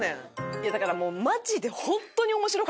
いやだからもう。